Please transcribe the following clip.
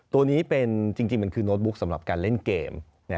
ตัวนี้เป็นจริงมันคือโน้ตบุ๊กสำหรับการเล่นเกม